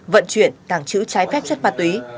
vận chuyển tàng trữ trái phép chất phạt túy